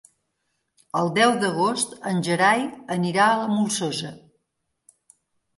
El deu d'agost en Gerai anirà a la Molsosa.